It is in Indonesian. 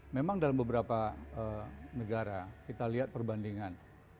memang dalam beberapa negara kita lihat perbandingan